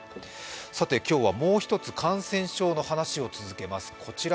今日はもう一つ、感染症の話を続けます。